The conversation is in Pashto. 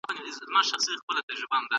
ایا واړه پلورونکي وچ انار اخلي؟